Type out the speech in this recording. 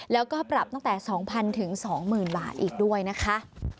แล้วก็ปรับตั้งแต่๒๐๐๒๐๐๐บาทอีกด้วยนะคะ